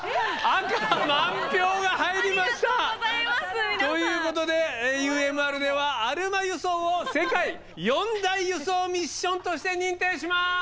ありがとうございます皆さん。ということでＵＭＲではアルマ輸送を世界四大輸送ミッションとして認定します！